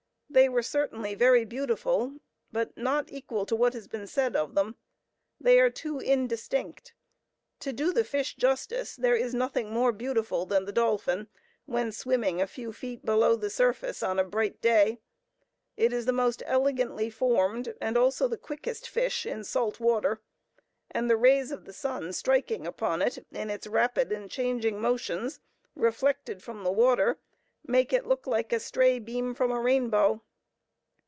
They were certainly very beautiful, but not equal to what has been said of them. They are too indistinct. To do the fish justice, there is nothing more beautiful than the dolphin when swimming a few feet below the surface, on a bright day. It is the most elegantly formed, and also the quickest fish, in salt water; and the rays of the sun striking upon it, in its rapid and changing motions, reflected from the water, make it look like a stray beam from a rainbow.